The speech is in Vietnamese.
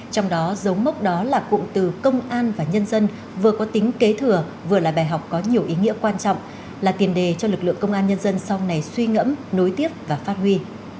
trong đó giấu mốc đó là cụm từ công an và nhân dân vừa có tính kế thừa vừa là bài học có nhiều ý nghĩa quan trọng là tiền đề cho lực lượng công an nhân dân sau này suy ngẫm nối tiếp và phát huy